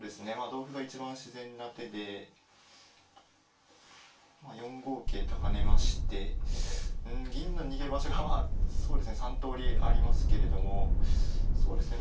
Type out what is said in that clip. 同歩が一番自然な手で４五桂と跳ねましてうん銀の逃げ場所はそうですね３通りありますけれどもそうですね